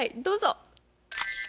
どうぞ。